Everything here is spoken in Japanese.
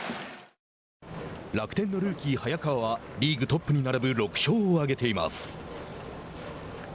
楽天のルーキー早川はリーグトップに並ぶ６勝をあげています。